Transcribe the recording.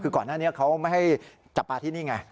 คือก่อนหน้านี้เขาไม่ให้จับปลาที่นี่ไง